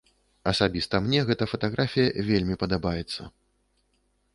Асабіста мне гэта фатаграфія вельмі падабаецца.